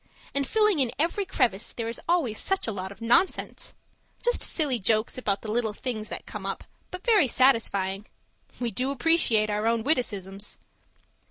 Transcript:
And filling in every crevice, there is always such a lot of nonsense just silly jokes about the little things that come up but very satisfying. We do appreciate our own witticisms!